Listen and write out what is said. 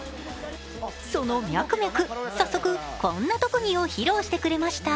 そのミャクミャク、早速こんな特技を披露してくれました。